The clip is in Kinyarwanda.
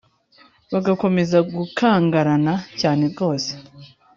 bagakomeza gukangarana cyane rwose